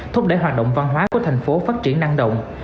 thúc đẩy hoạt động văn hóa của tp hcm phát triển năng động